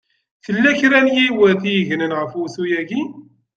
Tella kra n yiwet i yegnen ɣef wussu-yaki.